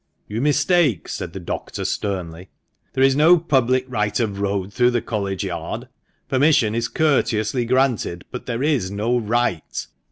"You mistake," said the doctor, sternly; "there is no public right of road through the College Yard. Permission is courteously granted, but there is no right.